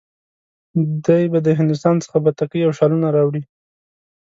دی به د هندوستان څخه بتکۍ او شالونه راوړي.